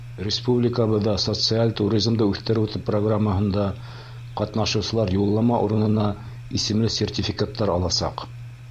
Республикабыҙҙа социаль туризмды үҫтереү программаһында ҡатнашыусылар юллама урынына исемле сертификаттар аласаҡ.